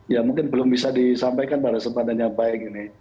ya mungkin belum bisa disampaikan pada sepadan yang baik ini